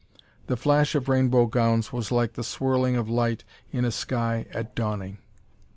The flash of rainbow gowns was like the swirling of light in a sky at dawning.